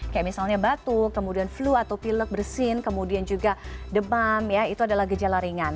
kayak misalnya batuk kemudian flu atau pilek bersin kemudian juga demam ya itu adalah gejala ringan